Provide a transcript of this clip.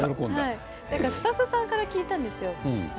スタッフさんから聞いたんですよ。